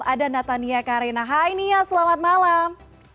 ada natania karena hai nia selamat malam